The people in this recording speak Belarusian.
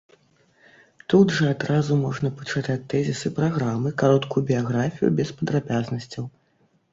Тут жа адразу можна пачытаць тэзісы праграмы, кароткую біяграфію без падрабязнасцяў.